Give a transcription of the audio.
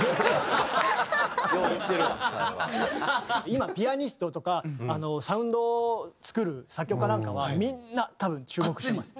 今ピアニストとかサウンドを作る作曲家なんかはみんな多分注目してます。